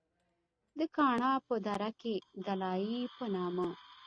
د کاڼا پۀ دره کښې د “دلائي” پۀ نامه